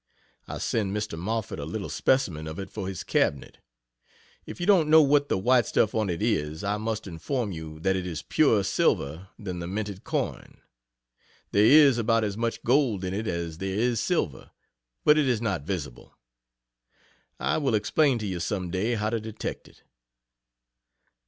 I send Mr. Moffett a little specimen of it for his cabinet. If you don't know what the white stuff on it is, I must inform you that it is purer silver than the minted coin. There is about as much gold in it as there is silver, but it is not visible. I will explain to you some day how to detect it.